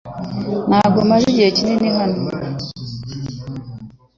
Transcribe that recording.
Ntabwo maze igihe kinini hano